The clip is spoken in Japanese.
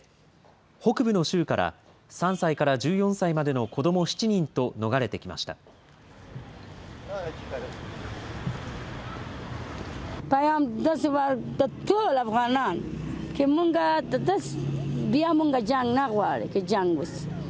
北部の州から３歳から１４歳までの子ども７人と逃れてきました。